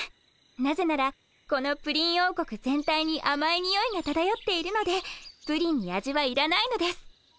なぜならこのプリン王国全体にあまいにおいがただよっているのでプリンに味はいらないのです。